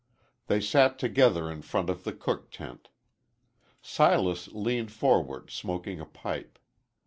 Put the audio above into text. They sat together in front of the cook tent. Silas leaned forward smoking a pipe.